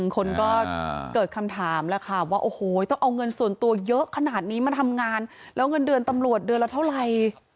คนก็เกิดคำถามแล้วค่ะว่าโอ้โหต้องเอาเงินส่วนตัวเยอะขนาดนี้มาทำงานแล้วเงินเดือนตำรวจเดือนละเท่าไร